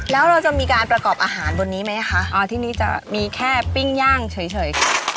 แล้วเราจะมีการประกอบอาหารบนนี้ไหมคะที่นี่จะมีแค่ปิ้งย่างเฉย